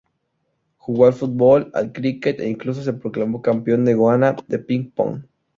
Jugó al fútbol, al cricket e incluso se proclamó campeón de Ghana de Ping-Pong.